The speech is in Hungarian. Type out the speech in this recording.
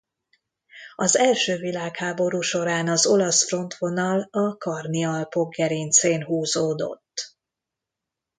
Az első világháború során az olasz frontvonal a Karni-Alpok gerincén húzódott.